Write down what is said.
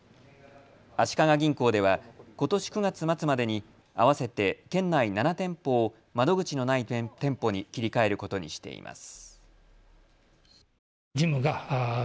足利銀行ではことし９月末までに合わせて県内７店舗を窓口のない店舗に切り替えることにしています。